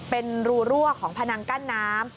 เป็นรูรั่วของพนังกั้นน้ำ